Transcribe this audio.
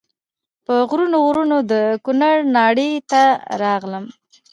په غرونو غرونو د کونړ ناړۍ ته راغلم.